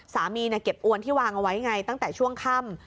เก็บอวนที่วางเอาไว้ไงตั้งแต่ช่วงค่ำ